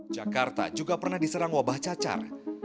jakarta juga pernah diserang wabah cacar